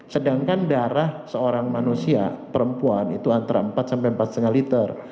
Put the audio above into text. sedangkan darah seorang manusia perempuan itu antara empat sampai empat lima liter